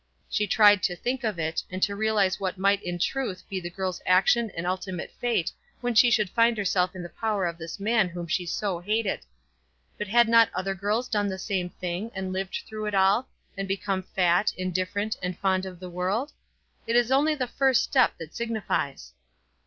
She tried to think of it, and to realise what might in truth be the girl's action and ultimate fate when she should find herself in the power of this man whom she so hated. But had not other girls done the same thing, and lived through it all, and become fat, indifferent, and fond of the world? It is only the first step that signifies.